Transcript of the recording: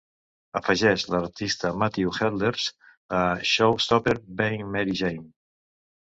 afegeix l'artista Matthew Helders a Showstopper Being Mary Jane